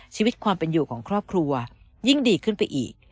ชีวิตความเป็นอยู่ของครอบครัวยิ่งดีขึ้นไปอีก